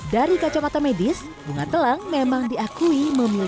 dari kacamata medis bunga telang memang diakui memiliki